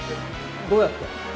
どうやって？